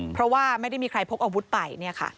เพราะว่าไม่ได้มีใครพกอาวุธไป